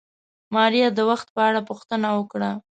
ماريا د وخت په اړه پوښتنه وکړه.